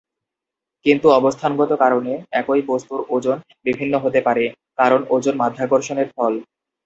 কিন্তু অবস্থানগত কারণে একই বস্তুর ওজন বিভিন্ন হতে পারে, কারণ ওজন মাধ্যাকর্ষণের ফল।